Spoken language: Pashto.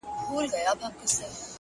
خاموش پرمختګ تر ټولو پایدار وي.